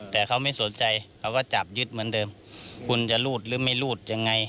แต่เขาไม่สนใจเขาก็จับยึดเหมือนเดิมคุณจะรูดหรือไม่รูดยังไง